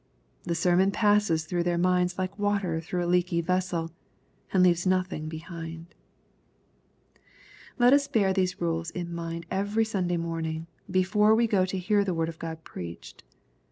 The sermon passes through their minds like water through a leaky vessel, and leaves nothing behind. Let us beai these rules in mind every Sunday morning, before we go to hear the Word of God preached.